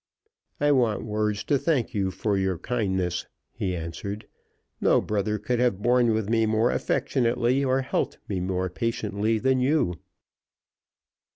"I want words to thank you for your kindness," he answered. "No brother could have borne with me more affectionately, or helped me more patiently than you."